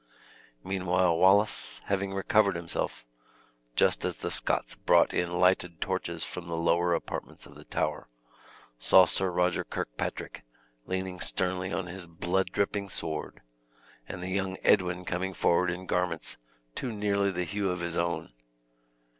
Meanwhile Wallace, having recovered himself, just as the Scots brought in lighted torches from the lower apartments of the tower, saw Sir Roger Kirkpatrick leaning sternly on his blood dripping sword, and the young Edwin coming forward in garments too nearly the hue of his own.